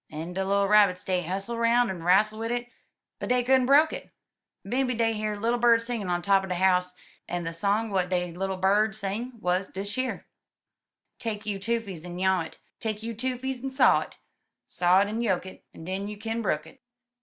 *'En de little Rabbits, dey hustle roun' en rastle wid it, but dey couldn't broke it. Bimeby dey hear little bird singin' on top er de house, en de song w'at de little bird sing wuz dish yer, *' Take you toofies en gnyaw it, Take you toofies en saw it. Saw it en yoke it. En den you kin broke it.